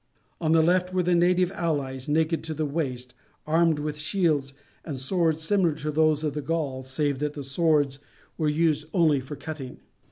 On the left were the native allies, naked to the waist, armed with shields and swords similar to those of the Gauls, save that the swords were used only for cutting.